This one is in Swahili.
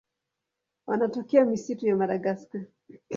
Wanatokea misitu ya Madagaska.